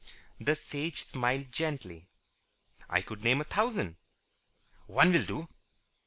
The Sage smiled gently. "I could name a thousand." "One will do."